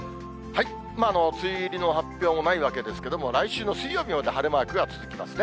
梅雨入りの発表もないわけですけれども、来週の水曜日まで晴れマークが続きますね。